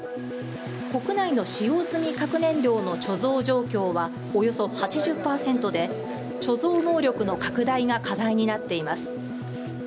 国内の使用済み核燃料の貯蔵状況はおよそ８０％で貯蔵能力の拡大が課題になっています。